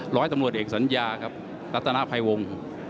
ร้อยตำรวจเอกสัญญารัฐนาพายวง